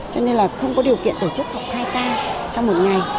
cho nên là không có điều kiện tổ chức học hai k trong một ngày